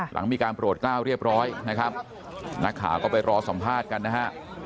หลังมีการปรวจเก้าเรียบร้อยนะครับนักข่าก็ไปรอสำฮาลกันนะฮะ